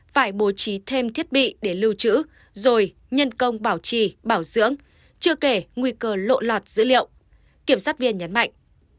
phải bố trí thêm thiết bị để lưu trữ rồi nhân công bảo trì bảo dưỡng chưa kể nguy cơ lộ lọt dữ liệu kiểm sát viên nhấn mạnh